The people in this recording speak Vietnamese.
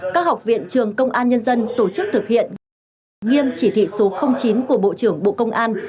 các học viện trường công an nhân dân tổ chức thực hiện nghiêm chỉ thị số chín của bộ trưởng bộ công an